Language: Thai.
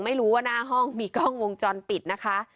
ไม่รู้ว่าหน้าห้องมีกล้องวงจรปิดนะคะ